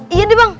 iya deh bang